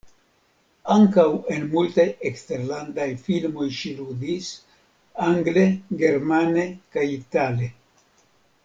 Ankaŭ en multaj eksterlandaj filmoj ŝi ludis, angle, germane kaj itale.